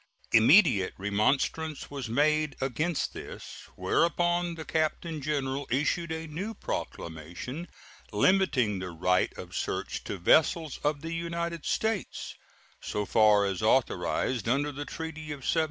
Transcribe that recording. Immediate remonstrance was made against this, whereupon the Captain General issued a new proclamation limiting the right of search to vessels of the United States so far as authorized under the treaty of 1795.